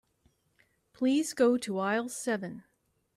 Please go to aisle seven.